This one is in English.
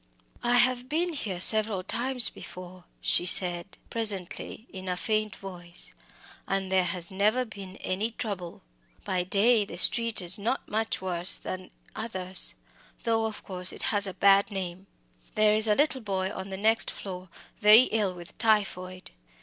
"I have been here several times before," she said presently, in a faint voice, "and there has never been any trouble. By day the street is not much worse than others though, of course, it has a bad name. There is a little boy on the next floor very ill with typhoid.